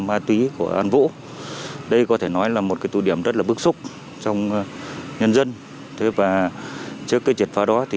ma túy của an vũ đây có thể nói là một tụ điểm rất bước xúc trong nhân dân trước triệt phá đó